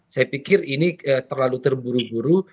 saya pikir ini terlalu terburu buru